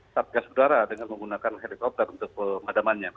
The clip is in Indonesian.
sabgas darat dengan menggunakan helikopter untuk pemadamannya